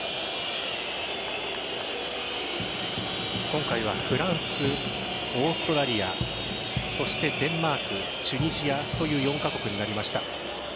今回はフランス、オーストラリアそしてデンマークチュニジアという４カ国になりました。